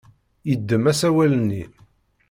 Yeddem asawal-nni.